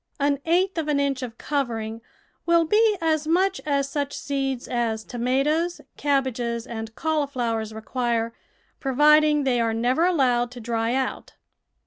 An eighth of an inch of covering will be as much as such seeds as tomatoes, cabbages, and cauli flowers require, providing they are never allowed to dry out.